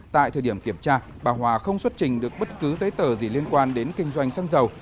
tại thời điểm kiểm tra bà hòa không xuất trình được bất cứ giấy tờ gì liên quan đến kinh doanh xăng dầu